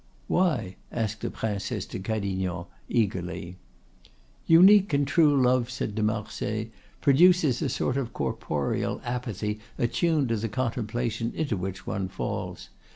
"Why?" asked the Princesse de Cadignan eagerly. "Unique and true love," said de Marsay, "produces a sort of corporeal apathy attuned to the contemplation into which one falls.